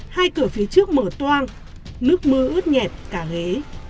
hai cửa phía trước mở toang nước mưa ướt nhẹt cả ghế